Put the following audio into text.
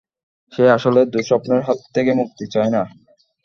সে আসলে দুঃস্বপ্নের হাত থেকে মুক্তি চায় না।